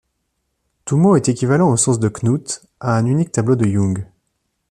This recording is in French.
Tout mot est équivalent au sens de Knuth à un unique tableau de Young.